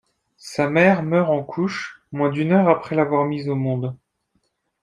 Sa mère meurt en couches, moins d’une heure après l’avoir mis au monde.